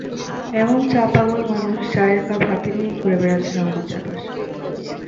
এমন চা-পাগল মানুষ চায়ের কাপ হাতে নিয়েই ঘুরে বেড়াচ্ছেন আমাদের চারপাশে।